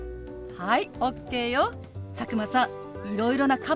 はい！